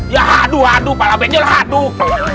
ya aduh aduh pala benjol aduh